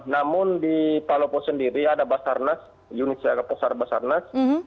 namun di palopo sendiri ada basarnas unit jagaposar basarnas